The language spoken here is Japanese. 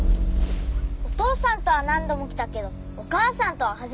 お父さんとは何度も来たけどお母さんとは初めて来たんだ。